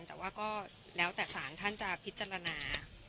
แต่ว่าก็แล้วแต่สารท่านจะพิจารณา